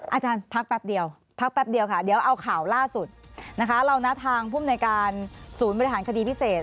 อาจารย์พักแป๊บเดียวพักแป๊บเดียวค่ะเดี๋ยวเอาข่าวล่าสุดนะคะเรานัดทางภูมิในการศูนย์บริหารคดีพิเศษ